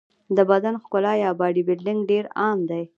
د بدن ښکلا یا باډي بلډینګ ډېر عام دی.